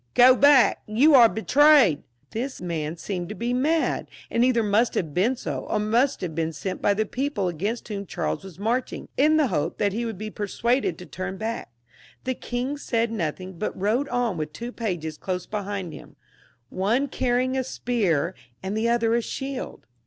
go back; you are betrayed." This man seemed to be mad ; and either must have been so or must have been sent by the people against whom Charles was marching, in the hope that he would be persuaded to turn ' back. The king said nothing, but rode on with two pages close behind him, one carrying a spear and the other a shield.